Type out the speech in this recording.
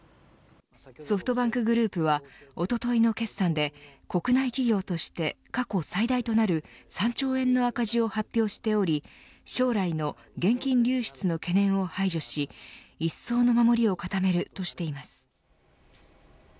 ソフトバンクグループはおとといの決算で国内企業として過去最大となる３兆円の赤字を発表しており将来の現金流出の懸念を排除し一層の守りを固めるとしています。